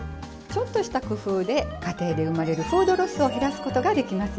ちょっとした工夫で家庭で生まれるフードロスを減らすことができますよ。